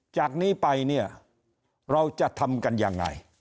จากนี้ไปเราจะทำกันอย่างไร